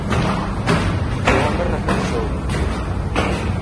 O home regresou.